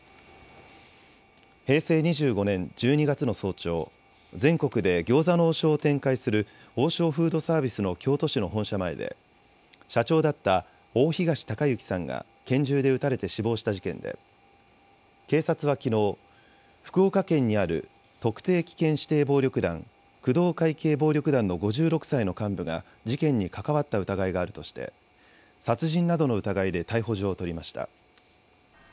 平成２５年１２月の早朝、全国で餃子の王将を展開する王将フードサービスの京都市の本社前で社長だった大東隆行さんが拳銃で撃たれて死亡した事件で警察はきのう福岡県にある特定危険指定暴力団工藤会系暴力団の５６歳の幹部が事件に関わった疑いがあるとして殺人などの疑いで逮捕状を取りました。